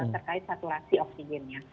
terkait saturasi oksigennya